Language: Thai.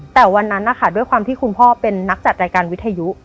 แต่วันนั้นนะคะด้วยความที่คุณพ่อเป็นนักจัดรายการวิทยุ